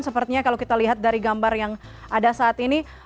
hanya kalau kita lihat dari gambar yang ada saat ini